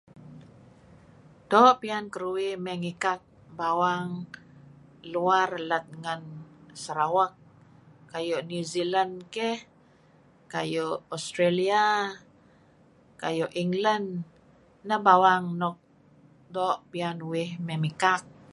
Doo' piyan keruih mey ngikak bawang luar let ngen Sarawak kayu' New Zealand keh, kayu' Australia, kayu' England. Neh bawang nuk doo' piyan uih mey mikak.